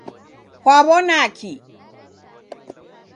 Kwaw'onaki?